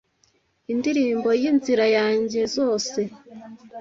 indirimbo yinzira yanjye zose